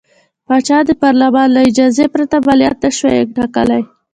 پاچا د پارلمان له اجازې پرته مالیات نه شوای ټاکلی.